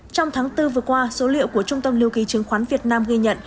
trong tháng bốn vừa qua số liệu của trung tâm lưu ký chứng khoán việt nam ghi nhận